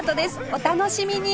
お楽しみに！